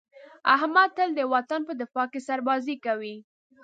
احمد تل د وطن په دفاع کې سربازي کوي.